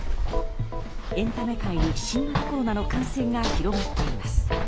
エンタメ界に新型コロナの感染が広がっています。